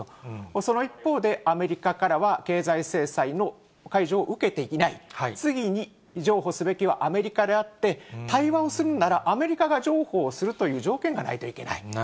その一方で、アメリカからは経済制裁の解除を受けていない、次に譲歩すべきはアメリカであって、対話をするなら、アメリカが譲歩をするという条件がないといけない。